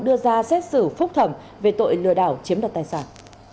đưa ra xét xử phúc thẩm về tội lừa đảo chiếm đoạt tài sản